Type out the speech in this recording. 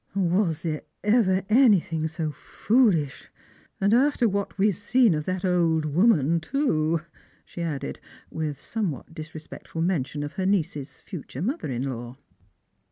" Was there ever anything so foolish ? After what we have seen of that old woman too i " she added, with somewhat dis respectful mention of her niece's future mother in law."